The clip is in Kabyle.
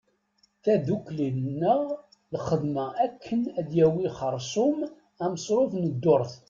Taddukli neɣ lxedma akken ad yawi xersum amesruf n ddurt.